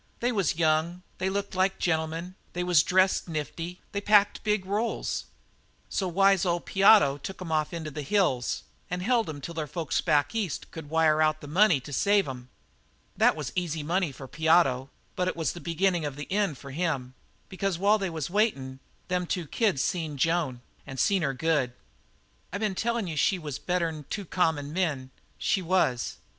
They was young, they looked like gentlemen, they was dressed nifty, and they packed big rolls. So wise old Piotto took 'em off into the hills and held 'em till their folks back East could wire out the money to save 'em. That was easy money for Piotto, but that was the beginnin' of the end for him; because while they was waitin', them two kids seen Joan and seen her good. "I been telling you she was better'n two common men. She was.